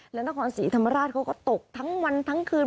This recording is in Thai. และนครศรีธรรมราชเขาก็ตกทั้งวันทั้งคืน